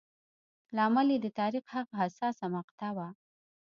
لامل یې د تاریخ هغه حساسه مقطعه وه.